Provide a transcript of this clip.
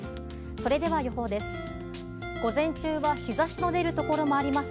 それでは予報です。